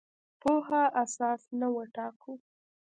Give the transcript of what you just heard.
پوهه اساس نه وټاکو.